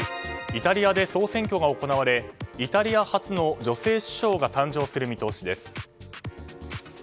イタリアで総選挙が行われイタリア初の女性首相が誕生する見通しです。